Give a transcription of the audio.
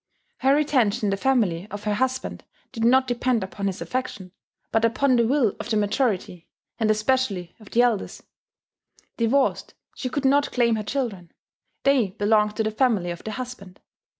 Her retention in the family of her husband did not depend upon his affection, but upon the will of the majority, and especially of the elders. Divorced, she could not claim her children: they belonged to the family of the husband.